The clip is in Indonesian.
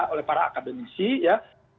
oleh para akademisi ya